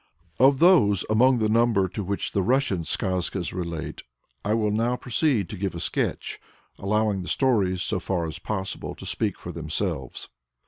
Of those among the number to which the Russian skazkas relate I will now proceed to give a sketch, allowing the stories, so far as is possible, to speak for themselves.